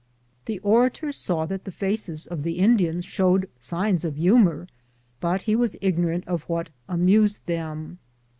The orator saw that the faces of the Indians showed signs of humor, but he was ignorant of what amused them.